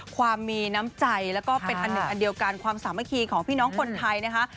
ความมีน้ำใจแล้วก็เป็นอันหนึ่งอันเดียวกันความสามัคคีของพี่น้องคนไทยนะคะ